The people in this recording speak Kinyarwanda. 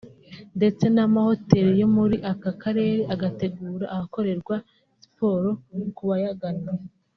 ndetse n’amahoteli yo muri aka karere agategura ahakorerwa siporo kubayagana